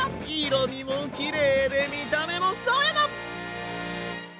色みもきれいで見た目も爽やか！